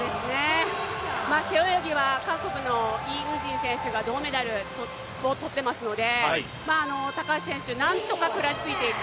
背泳ぎは韓国のイ・ウンジ選手が銅メダルとってますので高橋選手、なんとかくらいついていく。